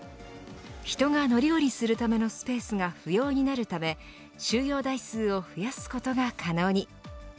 人が乗り降りするためのスペースが不要になるため収容台数を増やすことが可能に。